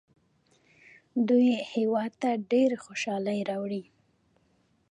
دوی هیواد ته ډېرې خوشحالۍ راوړي.